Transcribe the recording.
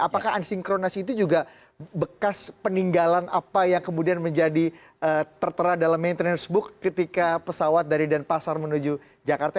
apakah unsynchronized itu juga bekas peninggalan apa yang kemudian menjadi tertera dalam maintenance book ketika pesawat dari denpasar menuju jakarta